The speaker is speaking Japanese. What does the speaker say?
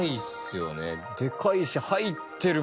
でかいし。